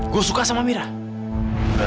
gue suka sama mira